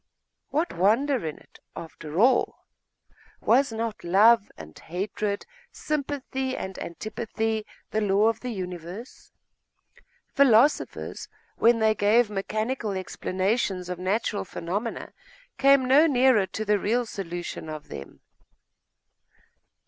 What wonder in it, after all? Was not love and hatred, sympathy and antipathy, the law of the universe? Philosophers, when they gave mechanical explanations of natural phenomena, came no nearer to the real solution of them.